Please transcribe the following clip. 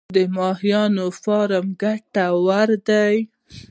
د ماهیانو فارم ګټور دی؟